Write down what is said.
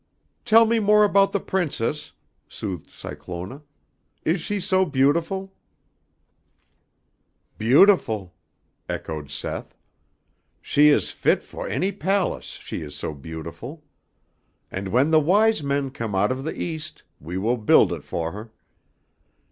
"Tell me more about the Princess," soothed Cyclona, "is she so beautiful?" "Beautiful," echoed Seth. "She is fit fo' any palace, she is so beautiful. And when the Wise Men come out of the East we will build it fo' her.